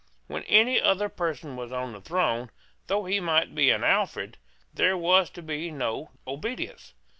When any other person was on the throne, though he might be an Alfred, there was to be no obedience.